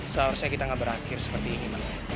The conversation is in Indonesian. seharusnya kita gak berakhir seperti ini bang